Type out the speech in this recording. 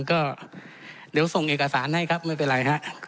ก็เดี๋ยวส่งเอกสารให้ครับไม่เป็นไรครับ